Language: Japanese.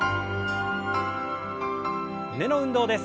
胸の運動です。